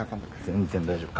全然大丈夫。